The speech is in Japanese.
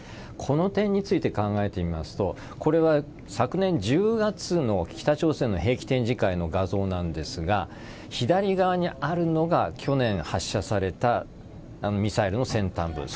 この点について考えてみますとこれは昨年１０月の北朝鮮の兵器展示会の画像なんですが左側にあるのが去年発射されたミサイルの先端部。